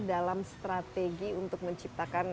dalam strategi untuk menciptakan